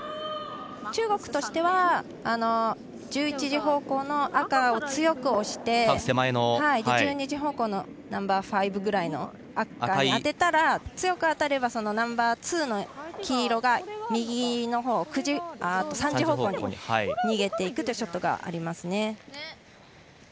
中国としては１１時方向の赤を強く押して、１２時方向のナンバーファイブくらいの赤に当てたら強く当たればそのナンバーツーの黄色が右のほう、３時方向に逃げていくというショットがありますね。